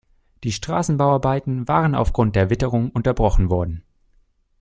Die Straßenbauarbeiten waren aufgrund der Witterung unterbrochen worden.